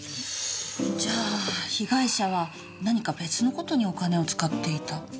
じゃあ被害者は何か別の事にお金を使っていた。